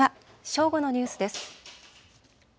正午のニュースです。